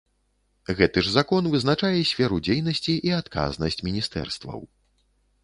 Гэты ж закон вызначае сферу дзейнасці і адказнасць міністэрстваў.